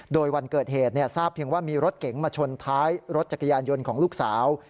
โดยวันเกิดเหตุทราบเพียงว่ามีรถเก๋งมาชนท้ายรถจักรยานยนต์ของลูกสาว